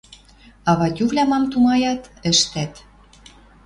А Ватювлӓ мам тумаят — ӹштӓт.